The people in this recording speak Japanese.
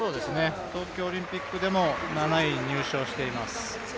東京オリンピックでも７位入賞しています。